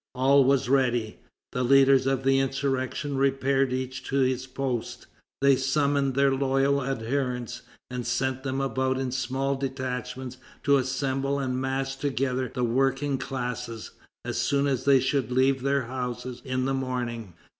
All was ready. The leaders of the insurrection repaired each to his post. They summoned their loyal adherents, and sent them about in small detachments to assemble and mass together the working classes, as soon as they should leave their houses in the morning.